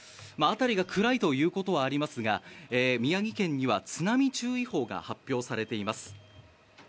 辺りが暗いということはありますが宮城県には津波注意報が発表されています。